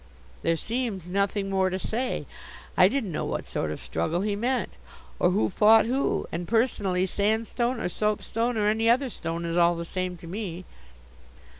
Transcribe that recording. There seemed nothing more to say; I didn't know what sort of struggle he meant, or who fought who; and personally sandstone or soapstone or any other stone is all the same to me.